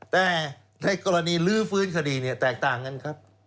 แต่ในกรณีลื้อฟื้นคดีเนี่ยแตกต่างกันครับ